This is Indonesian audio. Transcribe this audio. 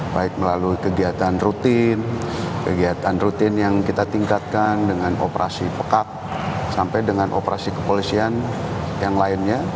baik melalui kegiatan rutin kegiatan rutin yang kita tingkatkan dengan operasi pekak sampai dengan operasi kepolisian yang lainnya